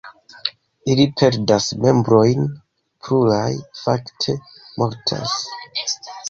Ili perdas membrojn, pluraj fakte mortas.